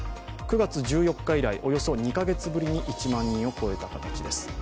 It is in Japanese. ９月１４日以来、およそ２か月ぶりに１万人を超えた形です。